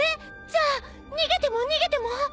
じゃあ逃げても逃げても？